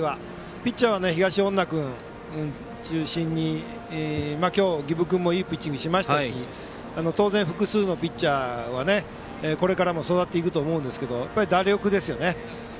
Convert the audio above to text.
ピッチャーは東恩納君中心に今日、儀部君もいいピッチングをしましたし当然、複数のピッチャーがこれからも育っていくと思うんですけどやっぱり打力ですよね。